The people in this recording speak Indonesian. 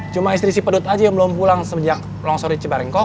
cuma istri si pedut aja yang belum pulang sejak longsori cibaringkok